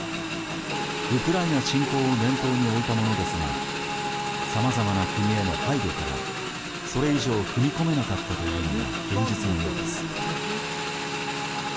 ウクライナ侵攻を念頭に置いたものですがさまざまな国への配慮からそれ以上踏み込めなかったというのが現実のようです。